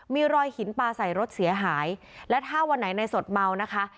มีรอยหินปลาใส่รถเสียหายและถ้าวันไหนในสดเมานะคะ